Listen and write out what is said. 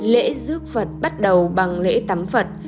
lễ giúp phật bắt đầu bằng lễ tắm phật